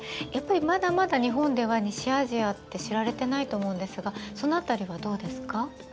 やっぱりまだまだ日本では西アジアって知られてないと思うんですがその辺りはどうですか？